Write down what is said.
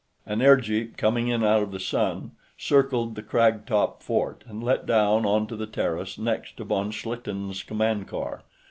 An airjeep, coming in out of the sun, circled the crag top fort and let down onto the terrace next to von Schlichten's command car.